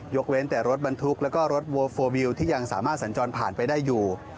เว้นแต่รถบรรทุกแล้วก็รถโวลโฟลวิวที่ยังสามารถสัญจรผ่านไปได้อยู่